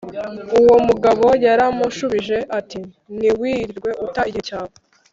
Uwo mugabo yaramushubije ati ntiwirirwe uta igihe cyawe